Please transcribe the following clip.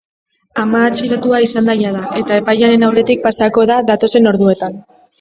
Ama atxilotua izan da jada eta epailearen aurretik pasako da datozen orduetan.